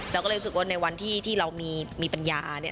เราก็เลยรู้สึกว่าในวันที่เรามีปัญญาเนี่ย